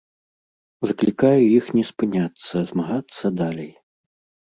Заклікаю іх не спыняцца, змагацца далей!